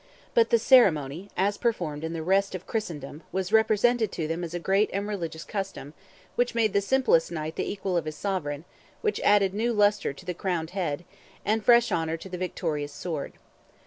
But the ceremony, as performed in the rest of Christendom, was represented to them as a great and religious custom, which made the simplest knight the equal of his sovereign, which added new lustre to the crowned head, and fresh honour to the victorious sword.